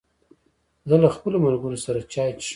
زه له خپلو ملګرو سره چای څښم.